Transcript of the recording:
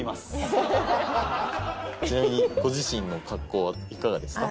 ちなみにご自身の格好はいかがですか？